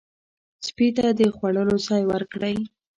سپي ته د خوړلو ځای ورکړئ.